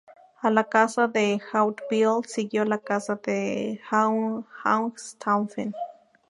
A la Casa de Hauteville siguió la Casa de Hohenstaufen.